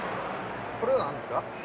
これは何ですか？